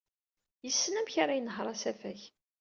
Yessen amek ara yenheṛ asafag.